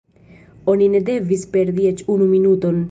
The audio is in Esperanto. Oni ne devis perdi eĉ unu minuton.